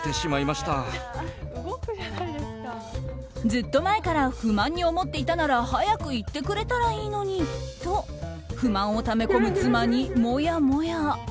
ずっと前から不満に思っていたなら早く言ってくれたらいいのにと不満をため込む妻にもやもや。